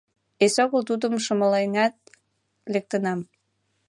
Эсогыл тудым шымленат лектынам.